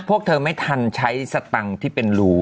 พวกเธอไม่ทันใช้สตังค์ที่เป็นรู